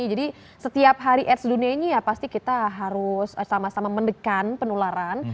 jadi setiap hari aids dunia ini ya pasti kita harus sama sama menekan penularan